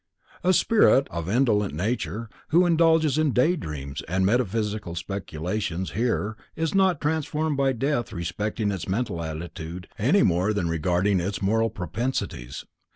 A spirit of an indolent nature, who indulges in day dreams and metaphysical speculations here, is not transformed by death respecting its mental attitude any more than regarding its moral propensities.